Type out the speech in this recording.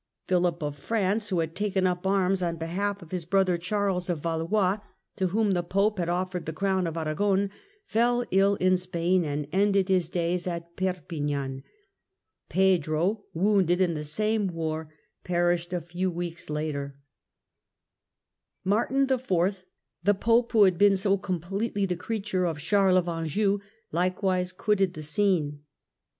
Philip of France, who had taken up arms on behalf of his brother Charles of Valois to whom the Pope had offered the crown of Aragon, fell ill in Spain and ended his days at Perpignan. Pedro, wounded in the same war, perished a few weeks 4:0 THE END OF THE MIDDLE AGE later. Martin IV., the Pope who had been so completely the creature of Charles of Anjou, likewise quitted the scene.